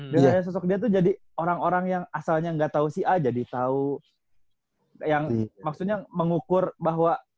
dan adanya sosok dia tuh jadi orang orang yang asalnya gak tau si a jadi tau yang maksudnya mengukur bahwa